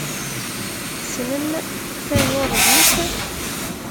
Tessnem tajuṛjit?